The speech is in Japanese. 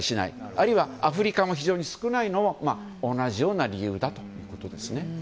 あるいはアフリカも非常に少ないのも同じような理由だということです。